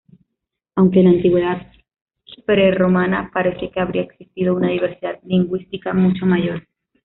Aunque en la antigüedad prerromana parece que habría existido una diversidad lingüística mucho mayor.